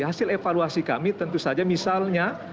hasil evaluasi kami tentu saja misalnya